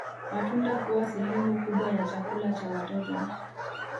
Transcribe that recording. Matunda huwa sehemu kubwa ya chakula cha watoto